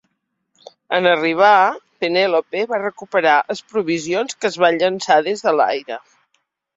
En arribar, "Penelope" va recuperar es provisions que es van llançar des de l'aire.